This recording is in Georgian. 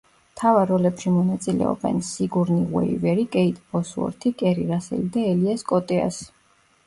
მთავარ როლებში მონაწილეობენ: სიგურნი უივერი, კეიტ ბოსუორთი, კერი რასელი და ელიას კოტეასი.